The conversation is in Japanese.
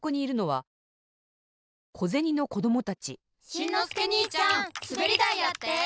しんのすけにいちゃんすべりだいやって！